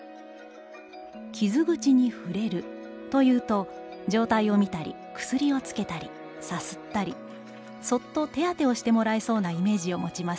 「傷口に『ふれる』というと、状態をみたり、薬をつけたり、さすったり、そっと手当てをしてもらえそうなイメージを持ちます。